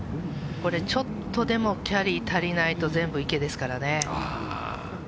これ、ちょっとでもキャリー足りないと全部池ですからね。